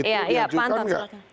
itu diajukan nggak